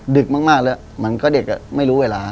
ดึกมากแล้วมันก็เด็กไม่รู้เวลา